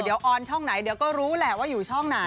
เดี๋ยวออนช่องไหนเดี๋ยวก็รู้แหละว่าอยู่ช่องไหน